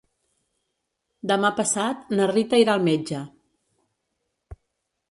Demà passat na Rita irà al metge.